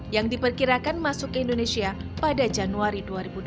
yang diperkirakan masuk ke indonesia pada januari dua ribu dua puluh